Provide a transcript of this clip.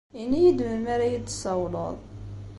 Ini-iyi-d melmi ara iyi-d-tessawleḍ.